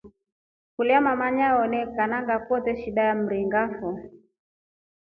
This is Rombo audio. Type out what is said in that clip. Kulya mama nyawonika nanga kwete shida ya mringa foo.